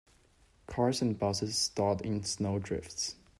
Cars and busses stalled in snow drifts.